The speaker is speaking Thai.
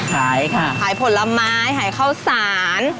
ขายค่ะขายผลไม้ขายข้าวสาร